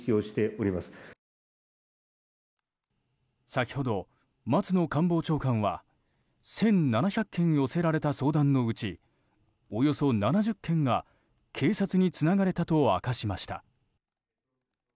先ほど、松野官房長官は１７００件寄せられた相談のうちおよそ７０件が、警察につながれたと明かしました。